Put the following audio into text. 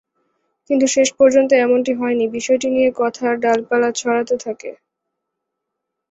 কিন্তু শেষ পর্যন্ত এমনটি হয়নি, বিষয়টি নিয়ে কথার ডালপালা ছড়াতে থাকে।